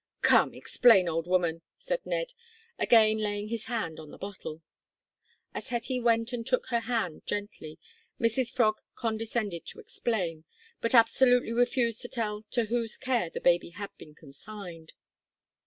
"Come, explain, old woman," said Ned, again laying his hand on the bottle. As Hetty went and took her hand gently, Mrs Frog condescended to explain, but absolutely refused to tell to whose care the baby had been consigned.